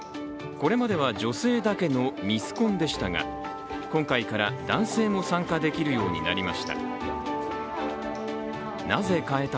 これまでは女性だけのミスコンでしたが今回から、男性も参加できるようになりました。